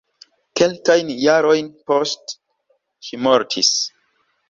Kelkajn jarojn poste ŝi mortis.